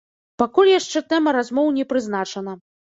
Пакуль яшчэ тэма размоў не прызначана.